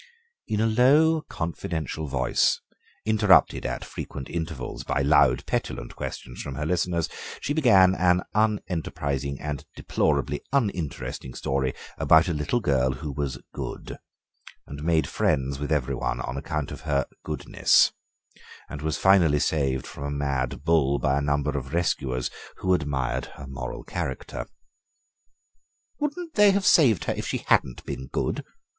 In a low, confidential voice, interrupted at frequent intervals by loud, petulant questionings from her listeners, she began an unenterprising and deplorably uninteresting story about a little girl who was good, and made friends with every one on account of her goodness, and was finally saved from a mad bull by a number of rescuers who admired her moral character. "Wouldn't they have saved her if she hadn't been good?"